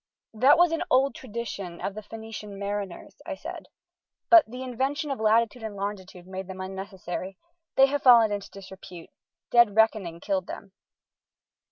"That was an old tradition of the Phoenician mariners," I said, "but the invention of latitude and longitude made them unnecessary. They have fallen into disrepute. Dead reckoning killed them."